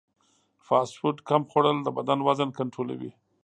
فاسټ فوډ کم خوړل د بدن وزن کنټرولوي.